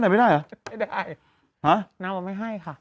ไม่ได้น้ำก็ไม่ให้ค่ะ